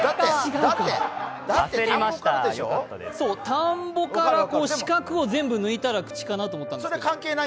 田んぼから四角を全部抜いたら「口」かと思ったんですが。